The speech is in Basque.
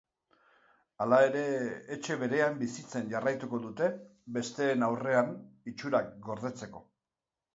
Hala ere, etxe berean bizitzen jarraituko dute besteen aurrean itxurak gordetzeko.